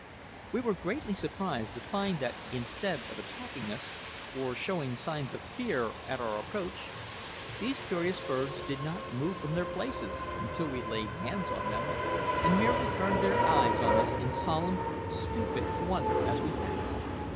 We were greatly surprised to find that instead of attacking us, or showing signs of fear at our approach, these curious birds did not move from their places until we laid hands on them, and merely turned their eyes on us in solemn, stupid wonder as we passed.